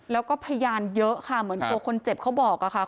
แล้วก็พยานเยอะค่ะเหมือนตัวคนเจ็บเขาบอกอะค่ะ